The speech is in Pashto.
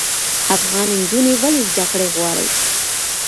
افغان نجونې ولې زده کړې غواړي؟